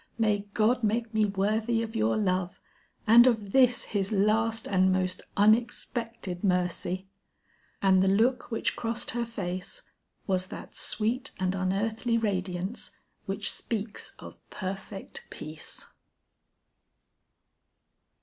May God make me worthy of your love and of this His last and most unexpected mercy!" And the look which crossed her face, was that sweet and unearthly radiance which speaks of perfect peace.